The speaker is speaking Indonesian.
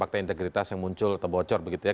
fakta integritas yang muncul atau bocor begitu ya